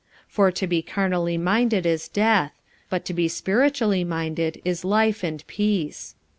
45:008:006 For to be carnally minded is death; but to be spiritually minded is life and peace.